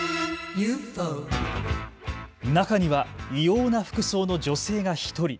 中には異様な服装の女性が１人。